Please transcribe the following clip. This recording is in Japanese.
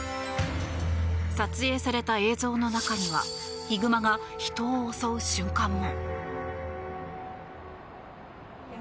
撮影された映像の中にはヒグマが人を襲う瞬間も。